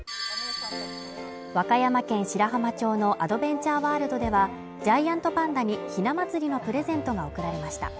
和歌山県白浜町のアドベンチャーワールドではジャイアントパンダにひな祭りのプレゼントが贈られました。